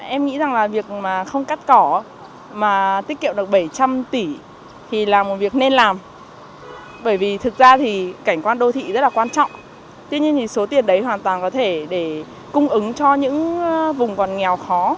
em nghĩ rằng là việc mà không cắt cỏ mà tiết kiệm được bảy trăm linh tỷ thì là một việc nên làm bởi vì thực ra thì cảnh quan đô thị rất là quan trọng tuy nhiên thì số tiền đấy hoàn toàn có thể để cung ứng cho những vùng còn nghèo khó